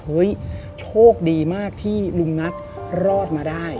โชคดีมากที่ลุงนัทรอดมาได้